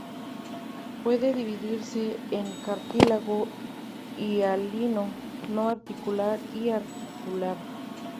Puede dividirse en cartílago hialino no articular y articular.